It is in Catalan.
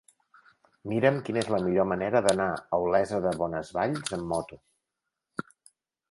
Mira'm quina és la millor manera d'anar a Olesa de Bonesvalls amb moto.